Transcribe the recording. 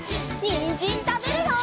にんじんたべるよ！